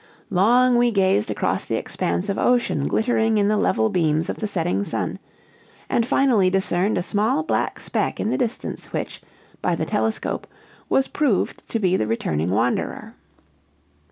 Long we gazed across the expanse of ocean glittering in the level beams of the setting sun, and finally discerned a small black speck in the distance which, by the telescope, was proved to be the returning wanderer.